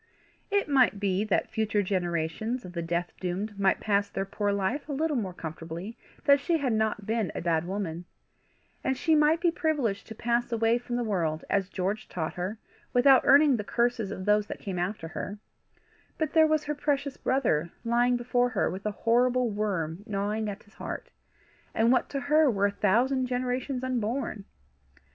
It might be that future generations of the death doomed might pass their poor life a little more comfortably that she had not been a bad woman, and she might be privileged to pass away from the world, as George taught her, without earning the curses of those that came after her; but there was her precious brother lying before her with a horrible worm gnawing at his heart, and what to her were a thousand generations unborn!